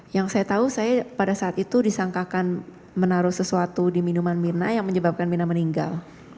yang saya tahu saya pada saat itu disangkakan menaruh sesuatu di minuman mirna yang menyebabkan mirna meninggal